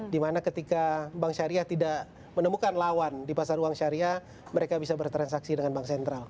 dimana ketika bank syariah tidak menemukan lawan di pasar uang syariah mereka bisa bertransaksi dengan bank sentral